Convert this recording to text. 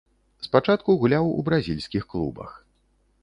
Спачатку гуляў у бразільскіх клубах.